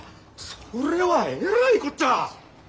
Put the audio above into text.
それはえらいこっちゃ！